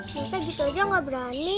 saya gitu aja gak berani